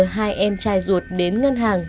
hai em trai ruột đến ngân hàng